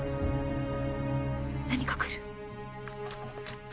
何か来る。